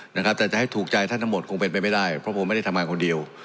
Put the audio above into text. นะครับแต่จะให้ถูกใจท่านทั้งหมดคงเป็นไปไม่ได้เพราะผมไม่ได้ทำงานคนเดียว